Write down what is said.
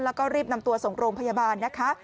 แล้วก็รีบนำตัวส่งโรงพยาบาลนะคะ